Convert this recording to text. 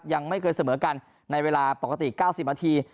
ยังไม่เคยเสมอกันในเวลาปกติ๙๐นาที